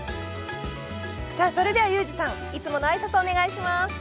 さあそれではユージさんいつもの挨拶お願いします。